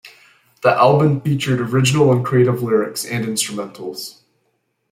The album featured original and creative lyrics and instrumentals.